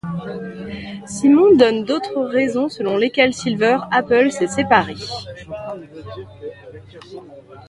Simeon donne d'autres raisons selon lesquelles Silver Apples s'est séparé.